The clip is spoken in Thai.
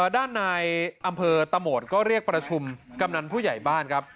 ด้านในอำเภอตะโหมดก็เรียกประชุมกำนันผู้ใหญ่บ้านครับ